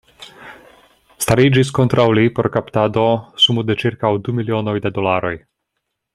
Stariĝis kontraŭ li por kaptado sumo de ĉirkaŭ du milionoj da dolaroj.